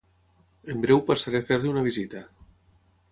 En breu passaré a fer-li una visita